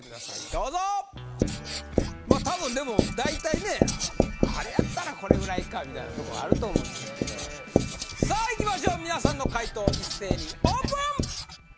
どうぞまあ多分でも大体ねあれやったらこれぐらいかみたいなとこあると思うんですけどさあいきましょうみなさんの解答一斉にオープン！